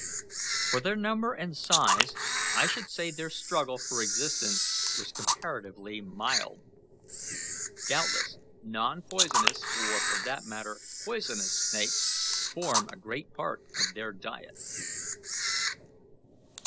For their number and size, I should say their struggle for existence was comparatively mild. Doubtless non poisonous, or, for that matter, poisonous snakes, form a great part of their diet."